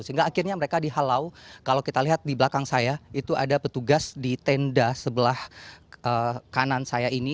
sehingga akhirnya mereka dihalau kalau kita lihat di belakang saya itu ada petugas di tenda sebelah kanan saya ini